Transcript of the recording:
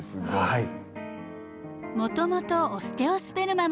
はい。